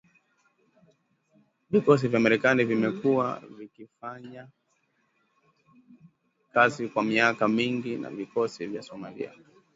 Vikosi vya Marekani vimekuwa vikifanya kazi kwa miaka mingi na vikosi vya Somalia.